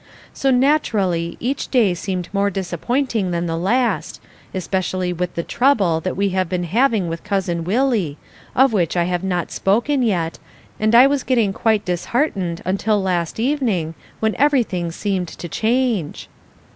So, naturally, each day seemed more disappointing than the last, especially with the trouble that we have been having with Cousin Willie, of which I have not spoken yet, and I was getting quite disheartened until last evening, when everything seemed to change.